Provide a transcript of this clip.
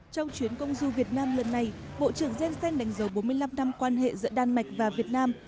trong chuyến công du việt nam lần này bộ trưởng jensenh đánh dấu bốn mươi năm năm quan hệ giữa đan mạch và việt nam